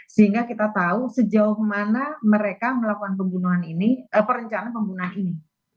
sehingga kita tahu sejauh mana mereka melakukan pembunuhan ini perencanaan pembunuhan ini